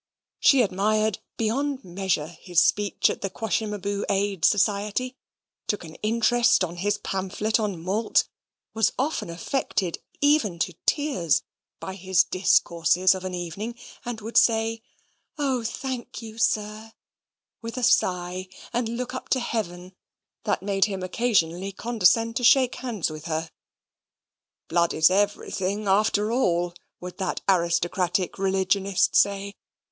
She admired, beyond measure, his speech at the Quashimaboo Aid Society; took an interest in his pamphlet on malt: was often affected, even to tears, by his discourses of an evening, and would say "Oh, thank you, sir," with a sigh, and a look up to heaven, that made him occasionally condescend to shake hands with her. "Blood is everything, after all," would that aristocratic religionist say.